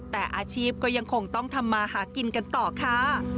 แต่อาชีพก็ยังคงต้องทำมาหากินกันต่อค่ะ